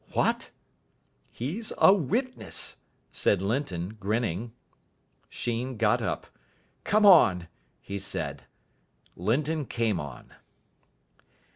"What!" "He's a witness," said Linton, grinning. Sheen got up. "Come on," he said. Linton came on.